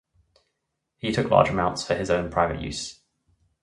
He took large amounts for his own private use.